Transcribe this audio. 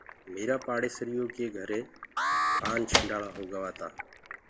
ميرآ پاڙيسريو ڪي گھري ڪآنڇنڊݪآ هوگوآ تآ۔